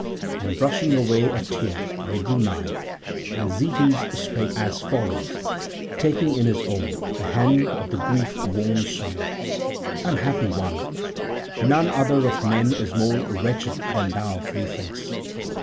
And brushing away a tear they drew nigh, and Zetes spake as follows, taking in his own the hand of the grief worn sire: "Unhappy one, none other of men is more wretched than thou, methinks.